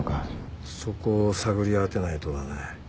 そこを探り当てないとだね。